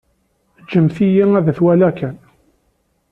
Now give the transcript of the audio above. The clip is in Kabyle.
Ǧǧemt-iyi ad t-waliɣ kan.